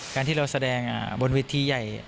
การที่เราแสดงบนเวทีใหญ่